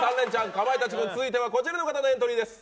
かまいたち軍続いてはこちらの方のエントリーです。